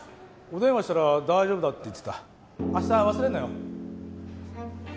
お電話したら大丈夫だって言ってた明日忘れんなよ